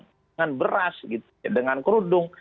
dengan beras dengan kerudung